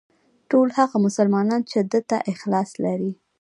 ټول هغه مسلمانان چې ده ته اخلاص لري.